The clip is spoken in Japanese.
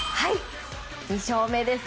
２勝目です。